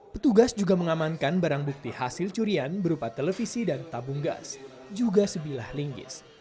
petugas juga mengamankan barang bukti hasil curian berupa televisi dan tabung gas juga sebilah linggis